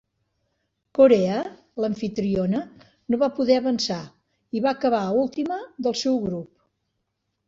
Corea, l"amfitriona, no va poder avançar i va acabar última del seu grup.